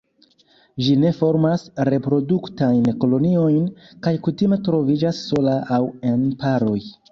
Ĝi ne formas reproduktajn koloniojn, kaj kutime troviĝas sola aŭ en paroj.